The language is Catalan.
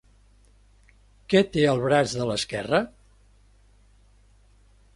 Què té al braç de l'esquerra?